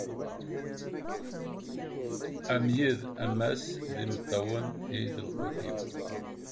Am yiḍ am wass, d imeṭṭawen i d lqut-iw.